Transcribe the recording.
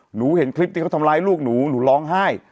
เห็นคลิปที่เขาทำร้ายลูกหนูหนูร้องไห้